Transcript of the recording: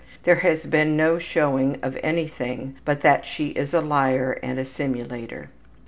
There has been no showing of anything but that she is a liar and a simulator.